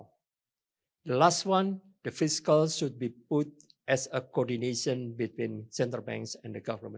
yang terakhir kebijakan harus diberikan sebagai koordinasi antara bank dan pemerintah